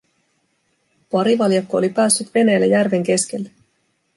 Parivaljakko oli päässyt veneellä järven keskelle.